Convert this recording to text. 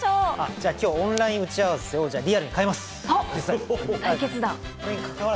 じゃあ、今日はオンライン打ち合わせをリアルに変えます。